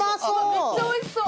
めっちゃおいしそう！